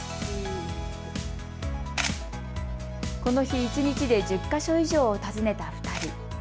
この日一日で１０か所以上を訪ねた２人。